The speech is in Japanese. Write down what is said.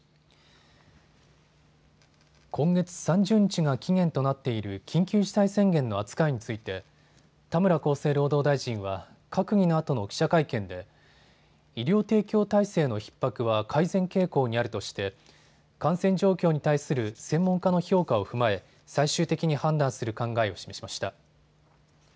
今月３０日が期限となっている緊急事態宣言の扱いについて田村厚生労働大臣は閣議のあとの記者会見で医療提供体制のひっ迫は改善傾向にあるとして感染状況に対する専門家の評価を踏まえ最終的に判断する考えを示しました。